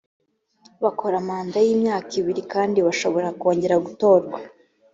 bakora manda y’imyaka ibiri kandi bashobora kongera gutorwa